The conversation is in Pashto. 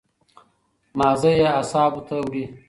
مازغه ئې اعصابو ته وړي